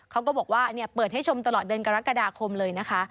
เขาก็บอกว่าเปิดให้ชมตลอดเดือนกรกฎาคมเลยนะคะ